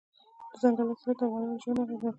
دځنګل حاصلات د افغانانو ژوند اغېزمن کوي.